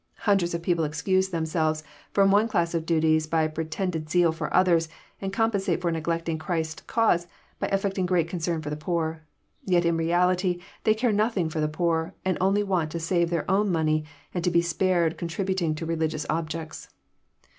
Hundreds of people excuse themselves Arom one class of duties by pre tended zeal for others, and compensate for neglecting Christ*s cause by affecting great concern for the poor. Tet in reality they care nothing for the poor, and only want to save their own money, and to be spared contributing to religious objects.